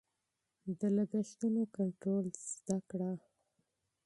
د لګښتونو کنټرول زده کړه.